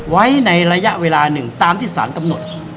ไว้ในระยะเวลาหนึ่งตามที่สารกำหนด